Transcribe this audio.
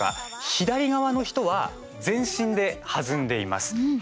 左側の人は、全身で弾んでいます。